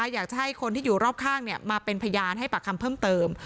อยากจะให้คนที่อยู่รอบข้างมาเป็นพยานให้ปากคำเพิ่มเติม